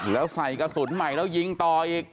แล้วใส่กระสุนใหม่แล้วยิงต่ออีก